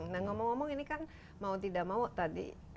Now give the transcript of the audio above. nah ngomong ngomong ini kan mau tidak mau tadi